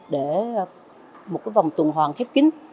để một cái vòng tuần hoàn khép kín